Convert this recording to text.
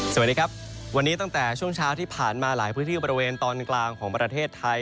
สวัสดีครับวันนี้ตั้งแต่ช่วงเช้าที่ผ่านมาหลายพื้นที่บริเวณตอนกลางของประเทศไทย